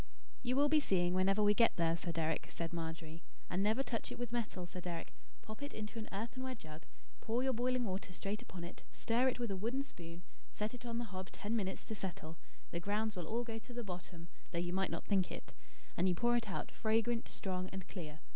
"You will be seeing whenever we get there, Sir Deryck," said Margery. "And never touch it with metal, Sir Deryck. Pop it into an earthenware jug, pour your boiling water straight upon it, stir it with a wooden spoon, set it on the hob ten minutes to settle; the grounds will all go to the bottom, though you might not think it; and you pour it out fragrant, strong, and clear.